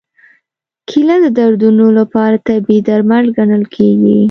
کېله د دردونو لپاره طبیعي درمل ګڼل کېږي.